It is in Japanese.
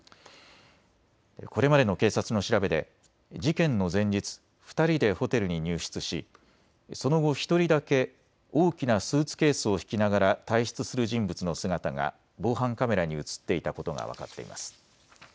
これまでの警察の調べで事件の前日、２人でホテルに入室しその後、１人だけ大きなスーツケースを引きながら退出する人物の姿が防犯カメラに写っていたことが分かっています。